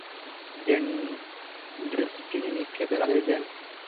Destiny নিক্ষেপের আদেশ দিন।